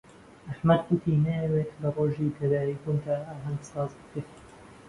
ئەحمەد گوتی نایەوێت لە ڕۆژی لەدایکبوونیدا ئاهەنگ ساز بکرێت.